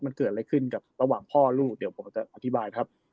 มันเกิดอะไรขึ้นกับระหว่างพ่อลูกเดี๋ยวผมจะอธิบายครับ